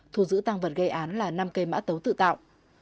thu giữ tăng vật gây án là năm cây mã tấu tự tạo